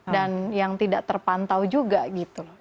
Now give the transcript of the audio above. dan yang tidak terpantau juga gitu loh